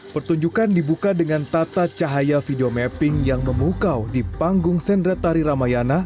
pertunjukan dibuka dengan tata cahaya video mapping yang memukau di panggung sendera tari ramayana